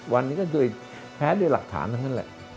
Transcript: วันนี้ก็แพ้ด้วยหลักฐานเท่านั้นแหละ